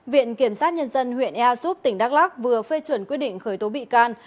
viện kiểm sát nhân dân huyện ea súp tỉnh đắk lắc vừa phê chuẩn quyết định khởi tố bị can